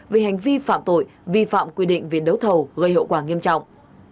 về hành vi phạm tội vi phạm quy định về đấu thầu gây hậu quả nghiêm trọng